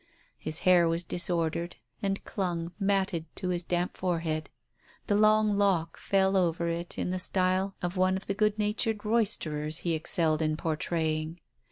His hair was disordered, and clung, matted, to his damp forehead; the long lock fell over it in the style of one of the good natured roysterers he excelled in portraying.